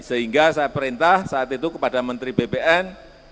sehingga saya perintah saat itu kepada menteri bpn